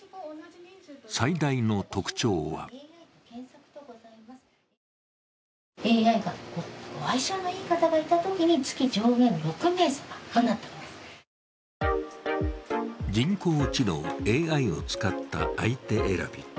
最大の特徴は人工知能＝ＡＩを使った相手選び。